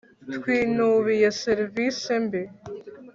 twinubiye serivisi mbi